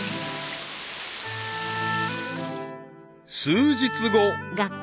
［数日後］